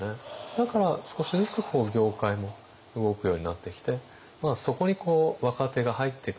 だから少しずつ業界も動くようになってきてそこに若手が入ってくると。